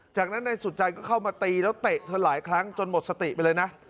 จากนั้นนายสุจัยก็เข้ามาตีแล้วเตะเธอหลายครั้งจนหมดสติไปเลยนะ